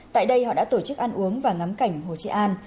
tại đây họ đã tổ chức ăn uống và ngắm cảnh hồ chí an